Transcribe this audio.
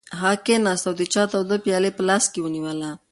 هغه کېناست او د چای توده پیاله یې په لاس کې ونیوله.